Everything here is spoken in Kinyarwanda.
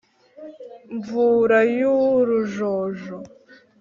nvura y’urujojo